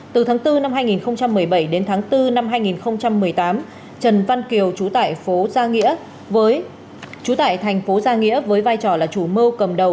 từ tháng bốn năm hai nghìn một mươi bảy đến tháng bốn năm hai nghìn một mươi tám trần văn kiều trú tại tp gia nghĩa với vai trò là chủ mơ cầm đầu